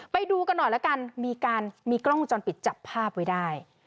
ไปดูกันหน่อยละกันมีการมีกล้องวงจรปิดจับภาพไว้ได้